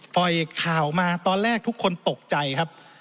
ปล่อยข่าวมาตอนแรกทุกคนตกใจครับ